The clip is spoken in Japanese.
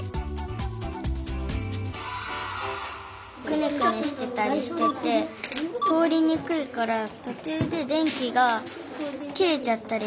くねくねしてたりしてて通りにくいからとちゅうで電気が切れちゃったりして。